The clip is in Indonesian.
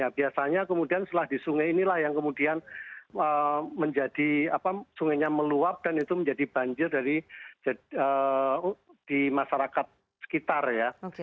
biasanya kemudian setelah di sungai inilah yang kemudian menjadi sungainya meluap dan itu menjadi banjir di masyarakat sekitar ya